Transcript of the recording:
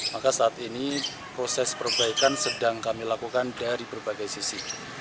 maka saat ini proses perbaikan sedang kami lakukan dari berbagai sisi